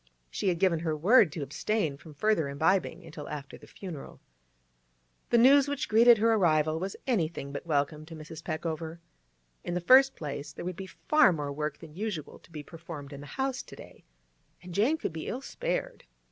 She had given her word to abstain from further imbibing until after the funeral. The news which greeted her arrival was anything but welcome to Mrs. Peckover. In the first place, there would be far more work than usual to be performed in the house to day, and Jane could be ill spared.